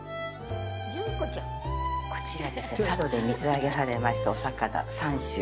こちら佐渡で水揚げされましたお魚３種。